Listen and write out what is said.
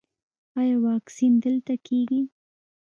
ایا واکسین دلته کیږي؟